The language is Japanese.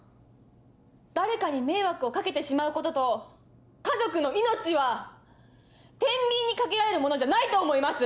誰かに迷惑を掛けてしまうことと家族の命はてんびんにかけられるものじゃないと思います！